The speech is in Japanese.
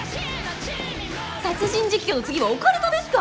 殺人実況の次はオカルトですか！